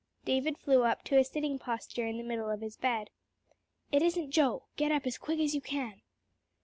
David flew up to a sitting posture in the middle of his bed. "It isn't Joe. Get up as quick as you can."